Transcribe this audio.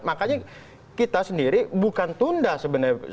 makanya kita sendiri bukan tunda sebenarnya